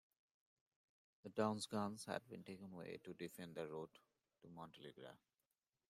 The town's guns had been taken away to defend the road to Montalegre.